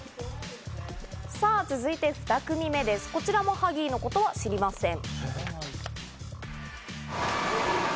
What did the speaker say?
さぁ続いて２組目です、こちらもハギーのことは知りません。